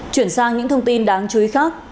chuyển sang những thông tin đáng chú ý khác